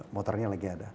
motornya lagi ada